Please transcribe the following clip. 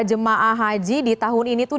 jemaah haji di tahun ini tuh